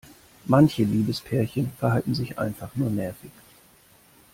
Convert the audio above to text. Manche Liebespärchen verhalten sich einfach nur nervig.